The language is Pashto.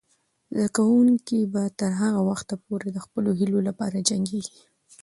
زده کوونکې به تر هغه وخته پورې د خپلو هیلو لپاره جنګیږي.